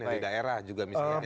dari daerah juga misalnya